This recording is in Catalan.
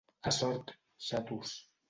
A Sort, xatos.